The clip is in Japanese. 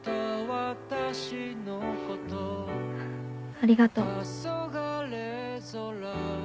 ありがとう。